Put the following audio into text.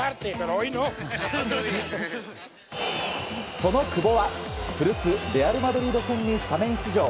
その久保は古巣レアル・マドリード戦にスタメン出場。